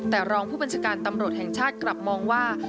แต่รองผู้บัญชาการตำรวจแห่งชาติกลับมองว่า